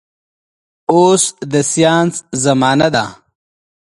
اوس د ساينس زمانه ده